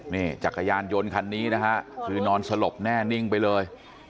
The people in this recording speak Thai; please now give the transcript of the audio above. นี่จักรยานยนต์คันนี้นะฮะคือนอนสลบแน่นิ่งไปเลย